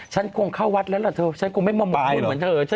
ฉันคงเข้าวัดแล้วเหรอเถอะฉันคงไม่มมุมคุณเหมือนเถอะ